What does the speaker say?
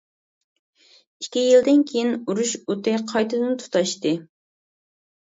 ئىككى يىلدىن كېيىن، ئۇرۇش ئوتى قايتىدىن تۇتاشتى.